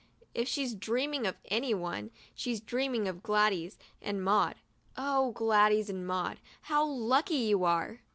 If she's dreaming of any one, she's dreaming of Gladys and Maud. Oh! Gladys and Maud, how lucky you are!